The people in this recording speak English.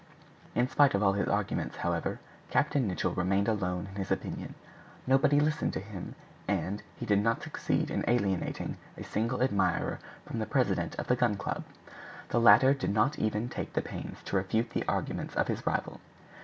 In spite of all his arguments, however, Captain Nicholl remained alone in his opinion. Nobody listened to him, and he did not succeed in alienating a single admirer from the president of the Gun Club. The latter did not even take the pains to refute the arguments of his rival.